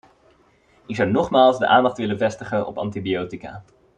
Ik zou nogmaals de aandacht willen vestigen op antibiotica.